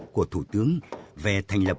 của thủ tướng về thành lập